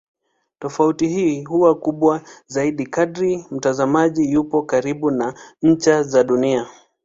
Tofauti hii huwa kubwa zaidi kadri mtazamaji yupo karibu na ncha za Dunia.